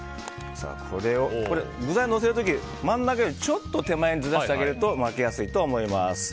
具材をのせる時、真ん中よりちょっと手前にずらしてあげると巻きやすいと思います。